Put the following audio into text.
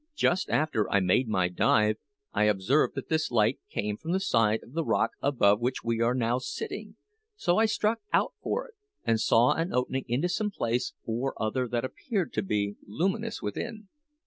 Just after I made my dive, I observed that this light came from the side of the rock above which we are now sitting; so I struck out for it, and saw an opening into some place or other that appeared to be luminous within.